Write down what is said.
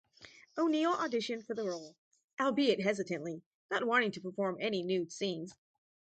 O'Neill auditioned for the role, albeit hesitantly, not wanting to perform any nude scenes.